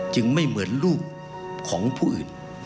ไม่เหมือนลูกของผู้อื่น